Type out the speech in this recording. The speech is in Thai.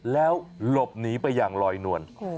แล้วหลบหนีไปอย่างลอยนวล